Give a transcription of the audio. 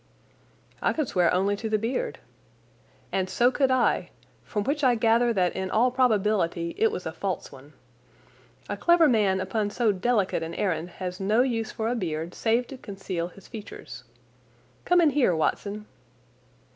"I could swear only to the beard." "And so could I—from which I gather that in all probability it was a false one. A clever man upon so delicate an errand has no use for a beard save to conceal his features. Come in here, Watson!"